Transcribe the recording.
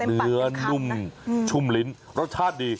เนื้อนุ่มชุ่มลิ้นรสชาติดี